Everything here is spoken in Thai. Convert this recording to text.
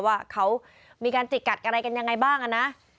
ว่าเขามีการจิกกัดอะไรกันยังไงบ้างนะ